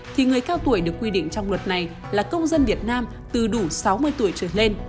thì người cao tuổi được quy định trong luật này là công dân việt nam từ đủ sáu mươi tuổi trở lên